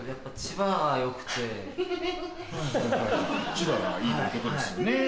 千葉がいいってことですよね。